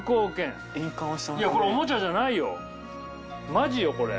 マジよこれ。